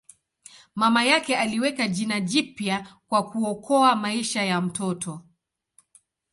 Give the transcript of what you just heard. Mama yake aliweka jina jipya kwa kuokoa maisha ya mtoto.